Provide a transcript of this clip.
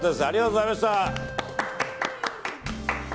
ありがとうございます。